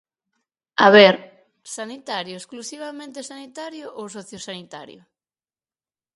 A ver, ¿sanitario, exclusivamente sanitario ou sociosanitario?